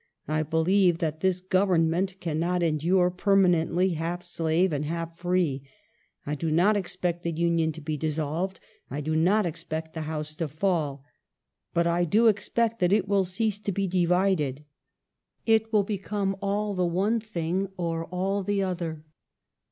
I believe that this Government cannot endure permanently half slave and half free. I do not expect the Union to be dissolved : I do not expect the house to fall : but I do expect that it will cease to be divided. It will become all the one thing or all the other.